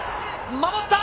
守った。